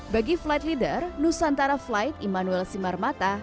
bagi flight leader nusantara flight immanuel simarmata